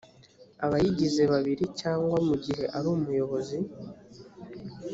abayigize babiri cyangwa mu gihe ari umuyobozi